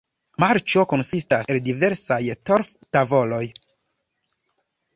Marĉo konsistas el diversaj torf-tavoloj.